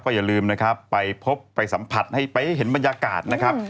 อย่าลืมนะครับไปพบไปสัมผัสให้ไปเห็นบรรยากาศนะครับ